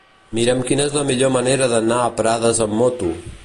Mira'm quina és la millor manera d'anar a Prades amb moto.